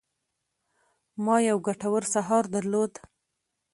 ما یو ګټور سهار درلود.